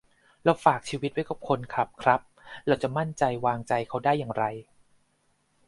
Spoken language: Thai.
เราฝากชีวิตไว้กับคนขับครับ : เราจะมั่นใจวางใจเขาได้อย่างไร